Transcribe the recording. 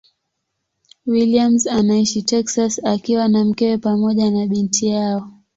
Williams anaishi Texas akiwa na mkewe pamoja na binti yao.